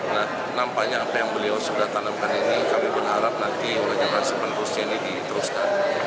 nah nampaknya apa yang beliau sudah tanamkan ini kami berharap nanti projectrasi penerusnya ini diteruskan